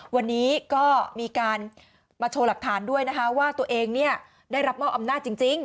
วันนี้ก็มีการมาโชว์หลักฐานด้วยนะคะว่าตัวเองได้รับมอบอำนาจจริง